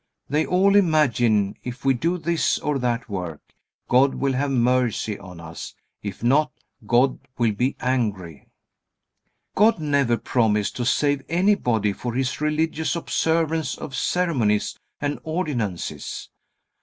They all imagine, if we do this or that work, God will have mercy on us; if not, God will be angry. God never promised to save anybody for his religious observance of ceremonies and ordinances.